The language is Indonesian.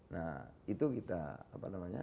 nah itu kita apa namanya